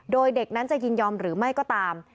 โดยเด็กนั้นจะยินยอมหรือไม่ก็ตาม